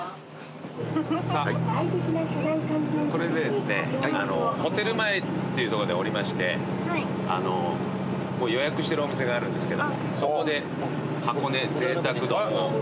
さぁこれでホテル前っていうとこで降りましてもう予約してるお店があるんですけどもそこで箱根贅沢丼を。